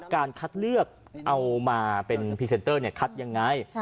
การคัดเลือกเอามาเป็นพรีเซนเตอร์คัดยังไง